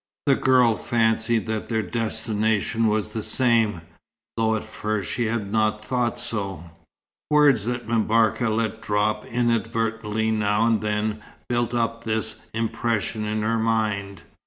The girl fancied that their destination was the same, though at first she had not thought so. Words that M'Barka let drop inadvertently now and then, built up this impression in her mind.